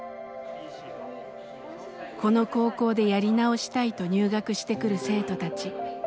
この高校でやり直したいと入学してくる生徒たち。